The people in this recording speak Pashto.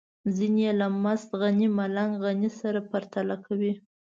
ځينې يې له مست غني ملنګ غني سره پرتله کوي.